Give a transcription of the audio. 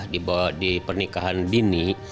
di pernikahan dini